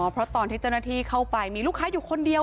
เพราะตอนที่เจ้าหน้าที่เข้าไปมีลูกค้าอยู่คนเดียว